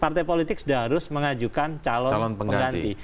partai politik sudah harus mengajukan calon pengganti